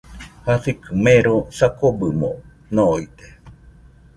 Jasikɨ mero , sakɨbɨmo noide.